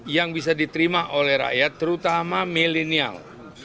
yang bisa diterima oleh rakyat terutama milenial